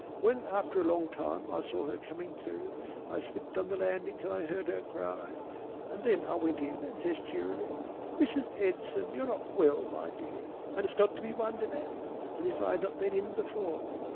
When after a long time I saw her coming to, I slipped on the landing till I heard her cry, and then I went in and says cheerily "Mrs. Edson you're not well my dear and it's not to be wondered at," as if I had not been in before.